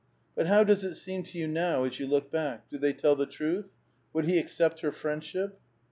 " But how does it soem to you now, as you look back? do they tell the truth? Would he accept her friendship?